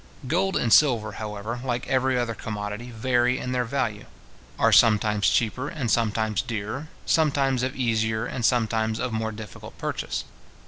Gold and silver, however, like every other commodity, vary in their value; are sometimes cheaper and sometimes dearer, sometimes of easier and sometimes of more difficult purchase.